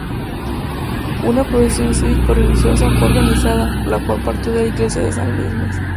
Una procesión cívico-religiosa fue organizada, la cual partió de la iglesia de San Lesmes.